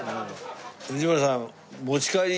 藤村さん。